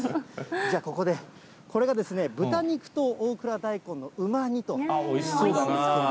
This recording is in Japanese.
じゃあ、ここで、これが豚肉と大蔵大根のうま煮ということで。